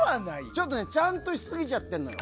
ちょっとちゃんとしすぎちゃってるの。